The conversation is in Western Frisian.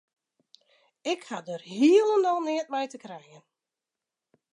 Ik ha dêr hielendal neat mei te krijen.